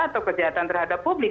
atau kejahatan terhadap publik